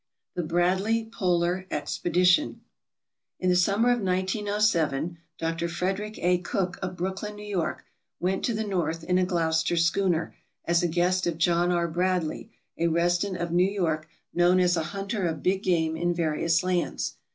The Bradley Polar Expedition In the summer of 1907 Dr. Frederick A. Cook*of Brooklyn, N. Y., went to the North in a Gloucester schooner, as a guest of John R. Bradley, a resident of New York known as a hunter of big game in various lands.